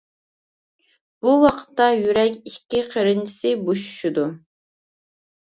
بۇ ۋاقىتتا يۈرەك ئىككى قېرىنچىسى بوشىشىدۇ.